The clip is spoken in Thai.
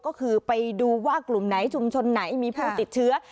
ก็คือไปดูว่ากลุ่มไหนชุมชนไหนมีผู้ติดเชื้อ